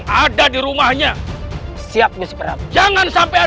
berduli apa aku dengan kalian